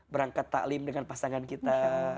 berangkat taklim dengan pasangan kita